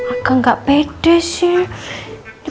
agak gak pede sih